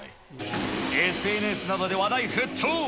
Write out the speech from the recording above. ＳＮＳなどで話題沸騰。